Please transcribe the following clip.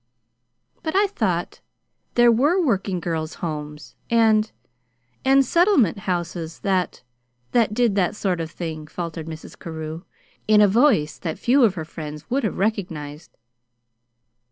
"But I thought there were working girls' homes, and and settlement houses that that did that sort of thing," faltered Mrs. Carew in a voice that few of her friends would have recognized.